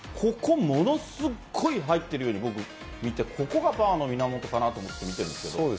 ものすごい入っているように見えてここがパワーの源かなと思っているんですが。